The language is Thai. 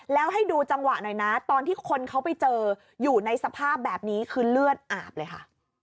แล้วให้ดูจังหวะหน่อยนะตอนที่คนเขาไปเจออยู่ในสภาพแบบนี้คือเลือดอาบเลยค่ะ